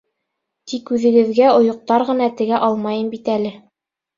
Тикүҙегеҙгә ойоҡтар ғына тегә алмайым бит әле.